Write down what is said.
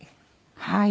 はい。